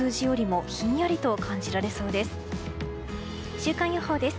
週間予報です。